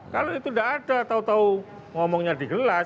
kalau itu tidak ada tau tau ngomongnya di gelas